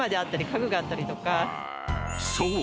［そう！